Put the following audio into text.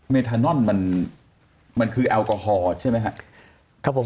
เนทานอนมันคือแอลกอฮอล์ใช่ไหมครับผม